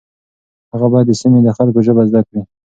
هغه باید د سیمې د خلکو ژبه زده کړي.